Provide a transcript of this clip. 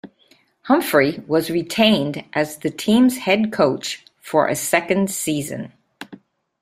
Humphrey was retained as the team's head coach for a second season.